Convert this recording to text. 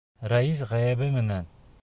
Рәйес ғәйебе менән.